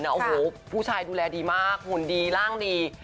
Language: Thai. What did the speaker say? โอ้โหผู้ชายดูแลดีมากหุ่นดีร่างดี